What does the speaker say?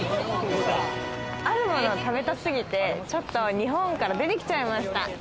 あるものを食べたすぎて、ちょっと日本から出てきちゃいました。